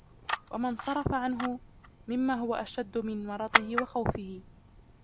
وَمَا انْصَرَفَ عَنْهُ مِمَّا هُوَ أَشَدُّ مِنْ مَرَضِهِ وَخَوْفِهِ